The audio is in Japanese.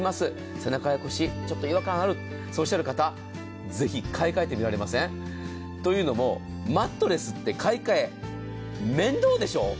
背中や腰、ちょっと違和感あるっておっしゃる方、ぜひ買い替えてみられません？というのもマットレスって買い替え、面倒でしょう？